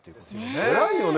偉いよね